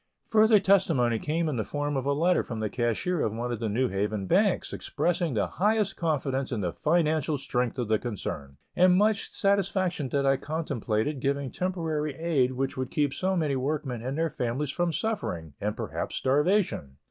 Further testimony came in the form of a letter from the cashier of one of the New Haven banks, expressing the highest confidence in the financial strength of the concern, and much satisfaction that I contemplated giving temporary aid which would keep so many workmen and their families from suffering, and perhaps starvation.